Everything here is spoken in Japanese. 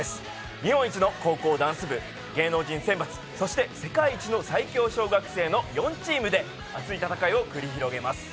日本一の高校ダンス部、芸能人選抜そして世界一の最強小学生の４チームで熱い戦いを繰り広げます。